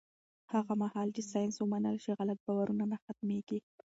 هغه مهال چې ساینس ومنل شي، غلط باورونه نه حاکمېږي.